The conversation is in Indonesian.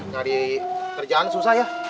cari kerjaan susah ya